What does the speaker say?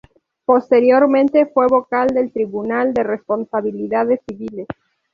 Posteriormente, fue vocal del Tribunal de Responsabilidades Civiles.